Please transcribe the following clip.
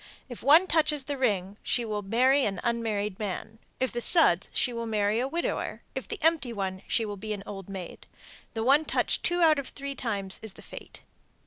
If one touches the ring, she will marry an unmarried man; if the suds, she will marry a widower; if the empty one, she will be an old maid. The one touched two out of three times is the fate.